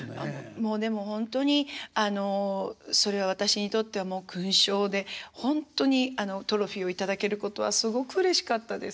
もうでもほんとにそれは私にとっては勲章でほんとにトロフィーを頂けることはすごくうれしかったです。